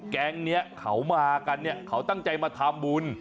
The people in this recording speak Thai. แกงนี้เขามาหากันเขาตั้งใจมาทำบุญ